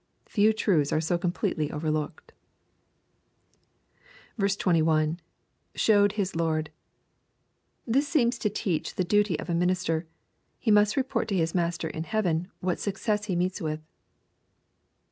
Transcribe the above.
Few truths are so completely overlooked. 21. — [Showed his lord^ This seems to teach the duty of a minister. He must report to his Master in heaven, what success he meets with.